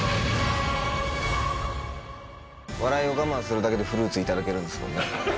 笑いを我慢するだけでフルーツ頂けるんですよね。